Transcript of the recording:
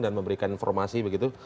dan memberikan informasi begitu